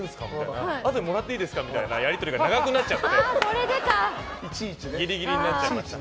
あとでもらっていいですかみたいなやり取りが長くなっちゃってギリギリになっちゃいました。